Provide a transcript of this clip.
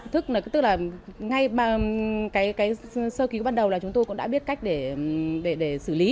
tức là ngay cái sơ ký bắt đầu là chúng tôi cũng đã biết cách để xử lý